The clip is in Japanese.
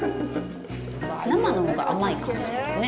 生のほうが甘い感じですね。